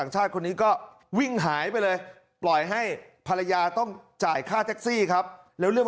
จะเลี้ยวอยู่แล้ว